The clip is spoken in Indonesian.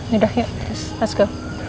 yaudah yuk let's go